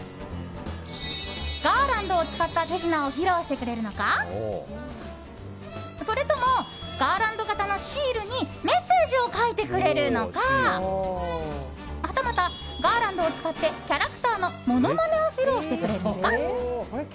ガーランドを使った手品を披露してくれるのかそれともガーランド型のシールにメッセージを書いてくれるのかはたまた、ガーランドを使ってキャラクターのものまねを披露してくれるのか。